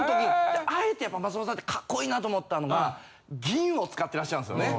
あえてやっぱ松本さんってカッコいいなと思ったのが銀を使ってらっしゃるんですよね。